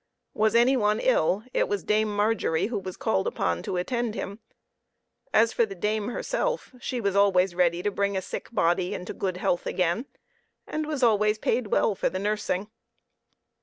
Was any one ill, it was Dame Margery who was called upon to attend them ; as for the dame herself, she was always ready to bring a sick body into good health again, and was always paid well for the nursing.